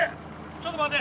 ちょっと待て！